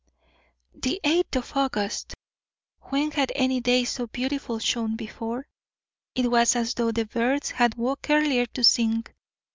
The eighth of August! When had any day so beautiful shone before? It was as though the birds had woke earlier to sing.